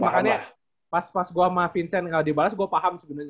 makanya pas gue sama vincent gak dibalas gue paham sebenernya